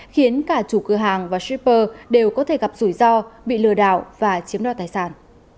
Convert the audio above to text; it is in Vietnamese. khiến cả chủ cửa hàng và shipper đều có thể gặp rủi ro bị lừa đảo và chiếm đo tài sản